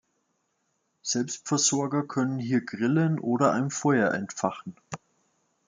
Selbstversorger können hier grillen oder ein Feuer entfachen.